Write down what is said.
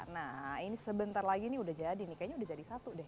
nah ini sebentar lagi ini udah jadi nih kayaknya udah jadi satu deh